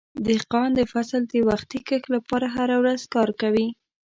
دهقان د فصل د وختي کښت لپاره هره ورځ کار کوي.